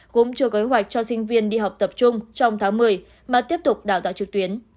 cũng chưa kế hoạch cho sinh viên đi học tập trung trong tháng một mươi mà tiếp tục đào tạo trực tuyến